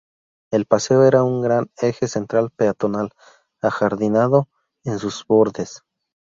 El paseo era un gran eje central peatonal, ajardinado en sus bordes.